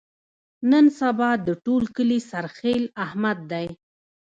نن سبا د ټول کلي سرخیل احمد دی.